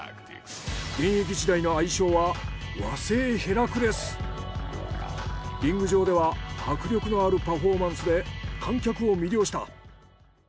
現役時代の愛称はリング上では迫力のあるパフォーマンスで観客を魅了した。